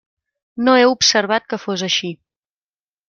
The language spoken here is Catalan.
No he observat que fos així.